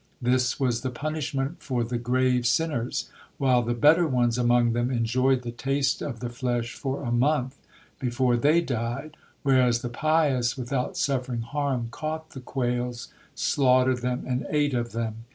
This was the punishment for the grave sinners, while the better ones among them enjoyed the taste of the flesh for a month before they died, whereas the pious without suffering harm caught the quails, slaughtered them, and ate of them.